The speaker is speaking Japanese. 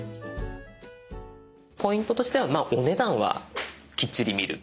ポイントとしてはお値段はきっちり見る。